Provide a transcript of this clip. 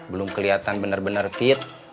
belum keliatan bener bener fit